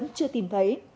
nhưng chưa tìm thấy